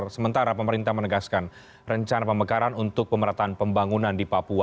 sementara pemerintah menegaskan rencana pemekaran untuk pemerataan pembangunan di papua